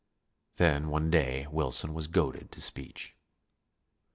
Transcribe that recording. Then, one day, Wilson was goaded to speech.